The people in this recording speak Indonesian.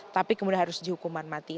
tapi kemudian harus dihukuman mati